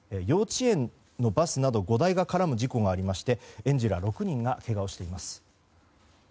幼稚園のバスなど５台が絡む事故がありまして園児ら６人がけがをしています。